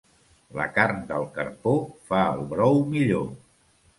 La carn del carpó fa el brou millor.